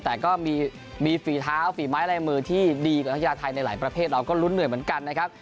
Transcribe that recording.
แต่ก็มีฝีเท้าฝีไม้ลายมือที่ดีกว่านักกีฬาไทยในหลายประเภทเราก็ลุ้นเหนื่อยเหมือนกันนะครับ